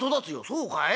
「そうかい？